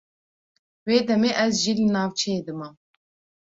Wê demê ez jî li navçeyê dimam.